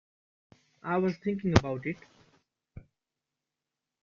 I was thinking about it.